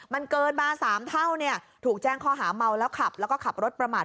มันเกินมา๓เท่าเนี่ยถูกแจ้งข้อหาเมาแล้วขับแล้วก็ขับรถประมาท